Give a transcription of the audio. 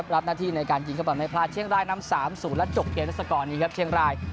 รับหน้าที่ในการยิงข้อมันในพลาดเชียงรายนำ๓๐และจบเกรดรัฐกรณีเชียงราย